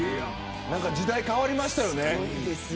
何か時代変わりましたよね。